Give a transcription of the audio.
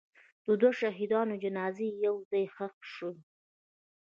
د دوو شهیدانو جنازې یو ځای ښخ شوې.